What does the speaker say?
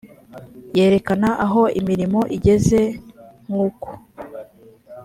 yerekana aho imirimo igeze nk uko